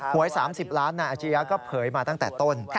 วย๓๐ล้านนายอาชียะก็เผยมาตั้งแต่ต้น